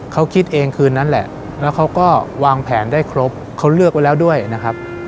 เขาคิดเองคืนนั้นแหละแล้วเขาก็วางแผนได้ครบเขาเลือกไว้แล้วด้วยนะครับ